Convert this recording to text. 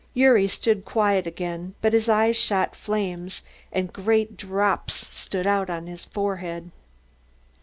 Gyuri stood quiet again but his eyes shot flames and great drops stood out on his forehead.